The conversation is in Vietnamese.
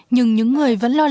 nhưng những người vẫn lo lắng